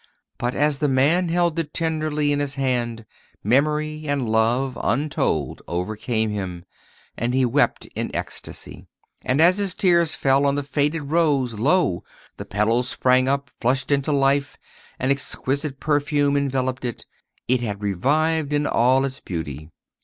But as the man held it tenderly in his hand, memory and love untold overcame him, and he wept in ecstasy. And as his tears fell on the faded rose, lo! The petals sprang up, flushed into life; an exquisite perfume enveloped it, it had revived in all its beauty.